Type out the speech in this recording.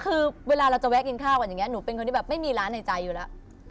คือเวลาเราจะแวะกินข้าวกันอย่างนี้หนูเป็นคนที่แบบไม่มีร้านในใจอยู่แล้ว